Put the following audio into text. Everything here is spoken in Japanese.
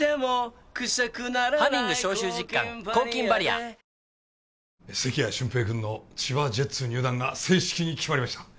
あー関谷俊平君の千葉ジェッツ入団が正式に決まりました